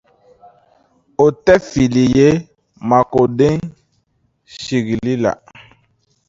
o tɛ fili ye Makonde sigili la.